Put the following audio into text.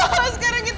kamu bakalan buruk